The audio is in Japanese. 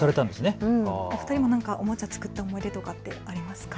お二人も何かおもちゃ作った思い出ありますか。